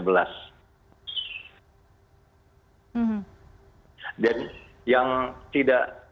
dan yang tidak